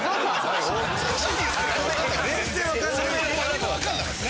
・何も分かんなかった・